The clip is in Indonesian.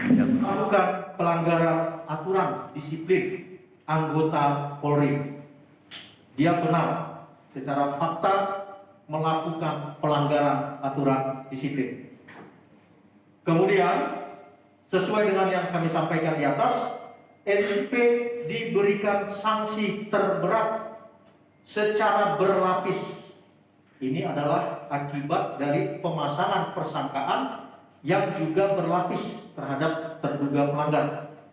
ini adalah akibat dari pemasangan persangkaan yang juga berlapis terhadap terduga pelanggan